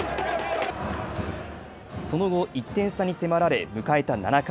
その後、１点差に迫られ迎えた７回。